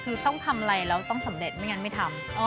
คือต้องทำอะไรแล้วต้องสำเร็จไม่งั้นไม่ทำ